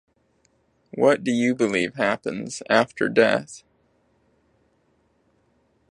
What do you believe happens after death?